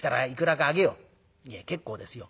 「いえ結構ですよ」。